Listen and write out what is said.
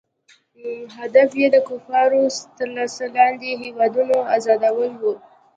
هدف یې د کفارو تر لاس لاندې هیوادونو آزادول وو.